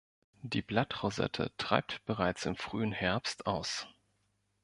Die Blattrosette treibt bereits im frühen Herbst aus.